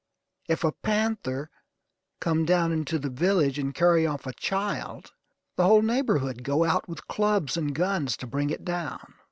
If a panther come down into the village and carry off a child, the whole neighborhood go out with clubs and guns to bring it down.